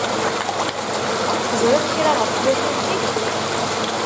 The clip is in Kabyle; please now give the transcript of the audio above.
Teẓṛiḍ kra ɣef twacult-ik?